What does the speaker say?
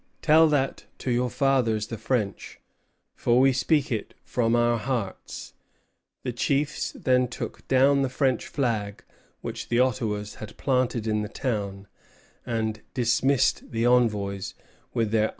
Tell that to your fathers the French, for we speak it from our hearts." The chiefs then took down the French flag which the Ottawas had planted in the town, and dismissed the envoys with their answer of defiance.